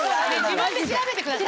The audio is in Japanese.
自分で調べてください。